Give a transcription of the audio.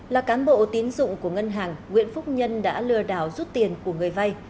là cán bộ tín dụng của ngân hàng nguyễn phúc nhân đã lừa đảo rút tiền của người vay